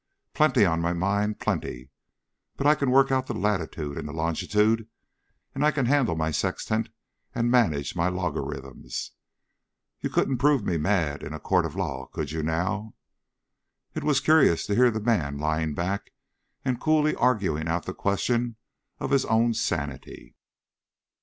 "Plenty on my mind plenty! But I can work out the latitude and the longitude, and I can handle my sextant and manage my logarithms. You couldn't prove me mad in a court of law, could you, now?" It was curious to hear the man lying back and coolly arguing out the question of his own sanity.